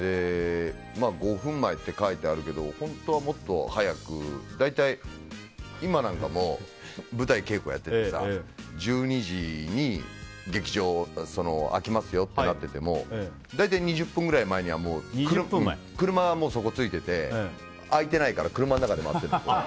５分前って書いてあるけど本当はもっと早く大体、今なんかも舞台稽古やってて１２時に劇場、空きますよってなっていても大体２０分くらい前には車、そこ着いてて空いてないから車の中で待ってる。